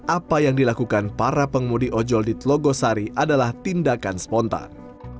apa yang dilakukan para pengemudi ojol di telogosari adalah tindakan spontan